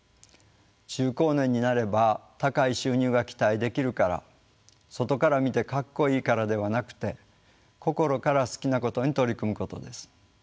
中高年になれば「高い収入が期待できるから」「外から見てかっこいいから」ではなくて心から好きなことに取り組むことです。